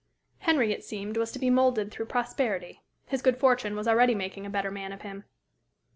Henry, it seemed, was to be moulded through prosperity. His good fortune was already making a better man of him.